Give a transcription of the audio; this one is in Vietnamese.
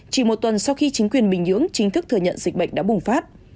chỉ một tuần sau khi chính quyền bình nhưỡng chính thức thừa nhận dịch bệnh đã bùng phát